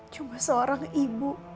cuma seorang ibu